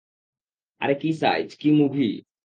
আরে, কী সাইজ, কী মুভি!